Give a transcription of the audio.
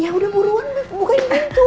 ya udah buruan bukain pintu